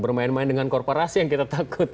bermain main dengan korporasi yang kita takut